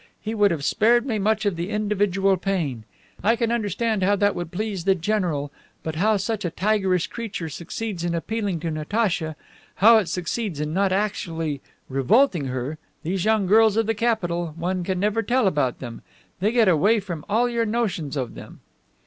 He would have spared me much of the individual pain.' I can understand how that would please the general, but how such a tigerish nature succeeds in appealing to Natacha, how it succeeds in not actually revolting her, these young girls of the capital, one never can tell about them they get away from all your notions of them."